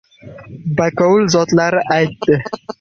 Bakovul zotlarni aytdi: